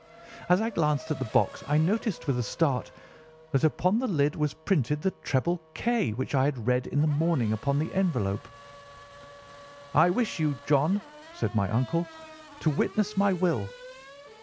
As I glanced at the box I noticed, with a start, that upon the lid was printed the treble K which I had read in the morning upon the envelope. "'I wish you, John,' said my uncle, 'to witness my will.